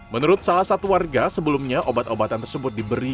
menurut salah satu warga sebelumnya obat obatan tersebut diberi